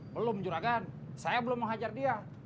belum juragan saya belum menghajar dia